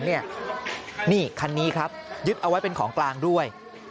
นี่คันนี้ครับยึดเอาไว้เป็นของกลางด้วย